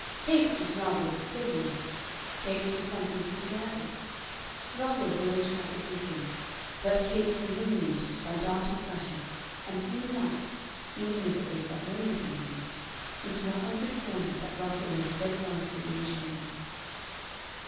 Capes was rather a discovery. Capes was something superadded. Russell burned like a beacon, but Capes illuminated by darting flashes and threw light, even if it was but momentary light, into a hundred corners that Russell left steadfastly in the shade.